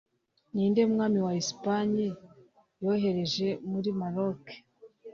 Ninde Mwami wa Espagne Yohereje mur maroc